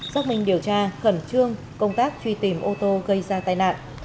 xác minh điều tra khẩn trương công tác truy tìm ô tô gây ra tai nạn